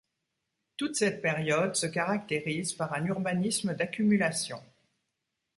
Toute cette période se caractérise par un urbanisme d'accumulation.